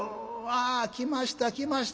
あ来ました来ました。